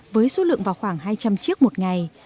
với số lượng vào khoảng hai trăm linh chiếc một ngày